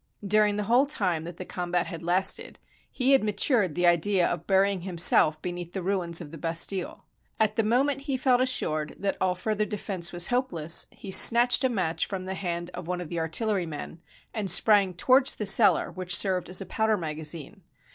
During the whole time that the combat had lasted, he had matured the idea of burying himself beneath the ruins of the Bastille. At the moment he felt assured that all further defense was hopeless, he snatched a match from the hand of one of the artillerymen, and sprang towards the cellar which served as a powder magazine.